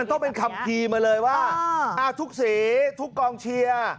ไม่มันต้องเป็นคำพีมาเลยว่าทุกสีทุกกองเชียร์